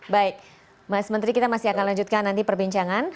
baik mas menteri kita masih akan lanjutkan nanti perbincangan